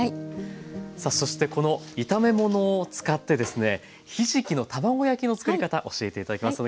さあそしてこの炒め物を使ってですねひじきの卵焼きの作り方教えて頂きます。